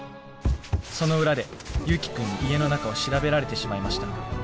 その裏で祐樹君に家の中を調べられてしまいました。